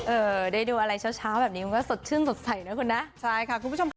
ได้ดูอะไรเช้าเช้าแบบนี้มันก็สดชื่นสดใสนะคุณนะใช่ค่ะคุณผู้ชมค่ะ